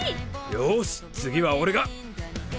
よし次は俺が！